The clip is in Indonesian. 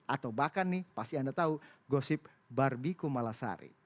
atau bahkan nih pasti anda tahu gosip barbie kumalasari